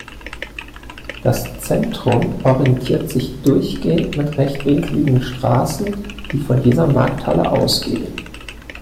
Das Zentrum orientiert sich durchgehend mit rechtwinkligen Straßen, die von dieser Markthalle ausgehen.